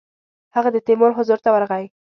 هغه د تیمور حضور ته ورغی.